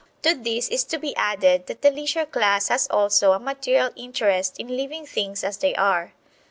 To this is to be added that the leisure class has also a material interest in leaving things as they are.